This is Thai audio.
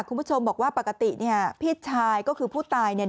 คุณผู้ชมบอกว่าปกติเนี่ยพี่ชายก็คือผู้ตายเนี่ย